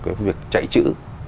cái việc chạy chữ